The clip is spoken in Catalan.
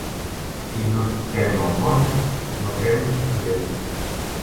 Qui no tem al món, no tem a Déu.